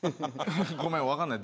ごめんわかんない。